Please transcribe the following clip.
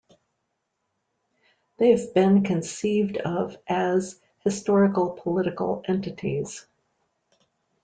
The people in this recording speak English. They have been conceived of as "historical-political entities".